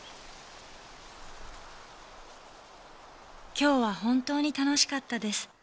「今日は本当に楽しかったです」